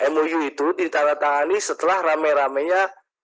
mou itu ditanah tangani setelah rame ramenya